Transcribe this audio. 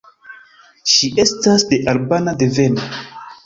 Ŝi estas de albana deveno.